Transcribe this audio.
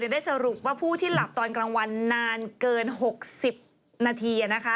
ได้สรุปว่าผู้ที่หลับตอนกลางวันนานเกิน๖๐นาที